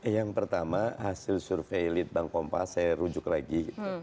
yang pertama hasil survei litbang kompas saya rujuk lagi